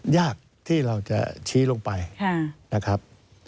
ยากที่เราจะชี้ลงไปนะครับ